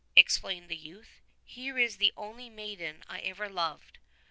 exclaimed the youth, "here is the only maiden I ever loved.